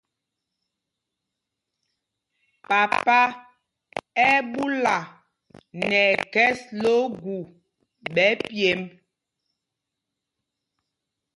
Papa ɛ́ ɛ́ ɓúla nɛ ɛkhɛs lɛ ogu ɓɛ pyemb.